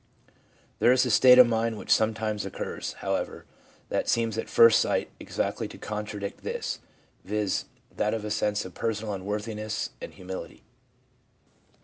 There is a state of mind which sometimes occurs, however, that seems at first sight exactly to contradict this, viz., that of a sense of personal unworthi ness and humility.